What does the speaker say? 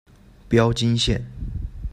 标津线。